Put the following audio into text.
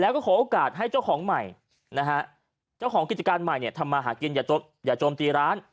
และก็ขอโอกาสให้เจ้าของกิจการใหม่ทำมาหากินอย่าโจมตีร้าน